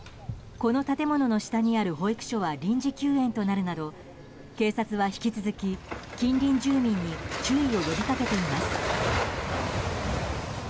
この建物の下にある保育所は臨時休園になるなど警察は、引き続き近隣住民に注意を呼びかけています。